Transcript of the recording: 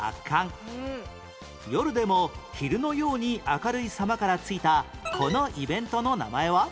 夜でも昼のように明るい様から付いたこのイベントの名前は？